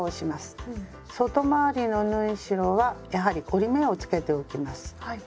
外回りの縫い代はやはり折り目をつけておきます。